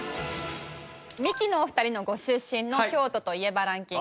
ミキのお二人のご出身の「京都と言えばランキング」です。